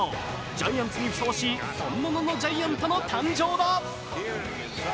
ジャイアンツにふさわしい本物のジャイアントの登場だ。